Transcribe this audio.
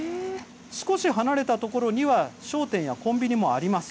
少し離れたところには商店やコンビニもあります。